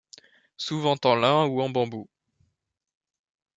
Souvent en lin ou en bambou.